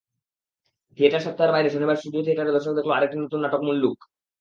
Theatre সপ্তাহের বাইরে শনিবার স্টুডিও থিয়েটারে দর্শক দেখল আরেকটি নতুন নাটক মুল্লুক।